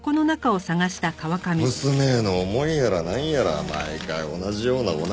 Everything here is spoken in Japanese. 娘への思いやらなんやら毎回同じようなお涙